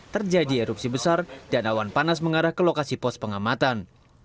terjadi erupsi besar dan awan panas mengarah ke lokasi pos pengamatan